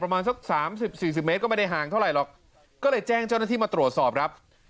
ประมาณสักสามสิบสี่สิบเมตรก็ไม่ได้ห่างเท่าไหร่หรอกก็เลยแจ้งเจ้าหน้าที่มาตรวจสอบครับ